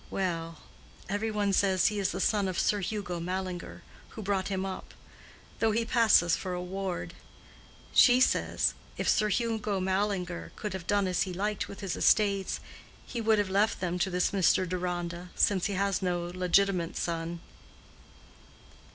"Well—every one says he is the son of Sir Hugo Mallinger, who brought him up; though he passes for a ward. She says, if Sir Hugo Mallinger could have done as he liked with his estates, he would have left them to this Mr. Deronda, since he has no legitimate son."